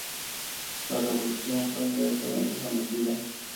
La revolución fue inmediatamente sometida.